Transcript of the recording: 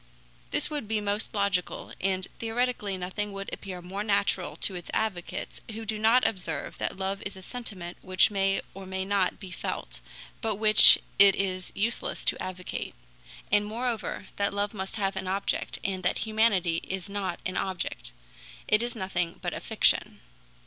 This would be most logical, and theoretically nothing would appear more natural to its advocates, who do not observe that love is a sentiment which may or may not be felt, but which it is useless to advocate; and moreover, that love must have an object, and that humanity is not an object. It is nothing but a fiction.